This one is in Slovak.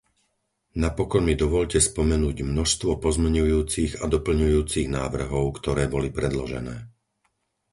Napokon mi dovoľte spomenúť množstvo pozmeňujúcich a doplňujúcich návrhov, ktoré boli predložené.